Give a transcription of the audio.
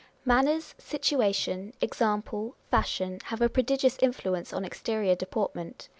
Manners, situation, example, fashion, have a prodigious influence on exterior deportment.